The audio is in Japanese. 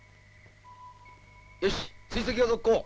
よし追跡を続行。